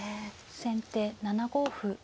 先手７五歩。